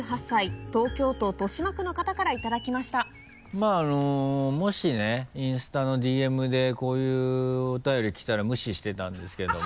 まぁもしねインスタのＤＭでこういうお便り来たら無視してたんですけども。